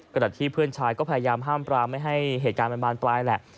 ขณะที่เพื่อนชายก็พยายามห้ามปรามไม่ให้เหตุการณ์มันบานปลายแหละ